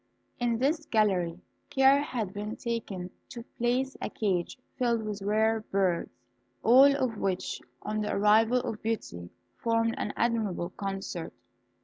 In this gallery care had been taken to place a cage filled with rare birds, all of which, on the arrival of Beauty, formed an admirable concert.